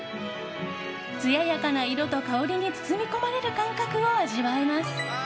つややかな色と香りに包み込まれる感覚を味わえます。